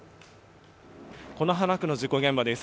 此花区の事故現場です。